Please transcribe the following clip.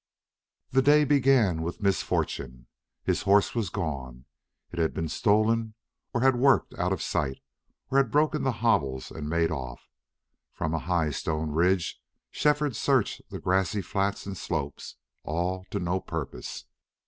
The day began with misfortune. His horse was gone; it had been stolen, or had worked out of sight, or had broken the hobbles and made off. From a high stone ridge Shefford searched the grassy flats and slopes, all to no purpose.